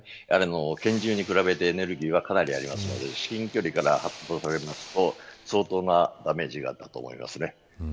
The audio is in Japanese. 拳銃と比べてエネルギーは、かなりありますし至近距離から発砲されますと相当なダメージがあったと思います。